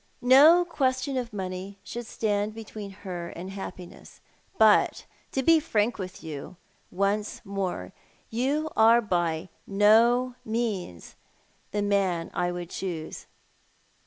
"No question of money should stand between her and happiness. But, to be frank with you once more, you are by no means the man I would choose."